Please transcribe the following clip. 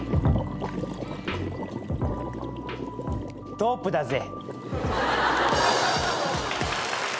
ドープだぜ。